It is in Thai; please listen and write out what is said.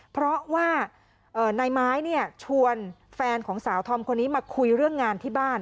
เพราะว่านายไม้ชวนแฟนของสาวธอมคนนี้มาคุยเรื่องงานที่บ้าน